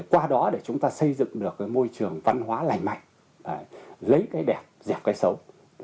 qua đó để chúng ta xây dựng được cái môi trường văn hóa lành mạnh lấy cái đẹp dẹp cái xấu